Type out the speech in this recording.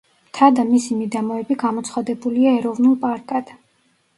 მთა და მისი მიდამოები გამოცხადებულია ეროვნულ პარკად.